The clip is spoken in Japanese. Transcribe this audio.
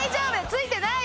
ついてない？